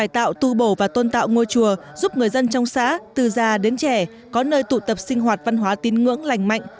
tu bổ và tôn tạo ngôi chùa giúp người dân trong xã từ già đến trẻ có nơi tụ tập sinh hoạt văn hóa tin ngưỡng lành mạnh